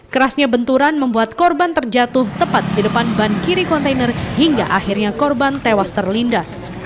kerasnya benturan membuat korban terjatuh tepat di depan ban kiri kontainer hingga akhirnya korban tewas terlindas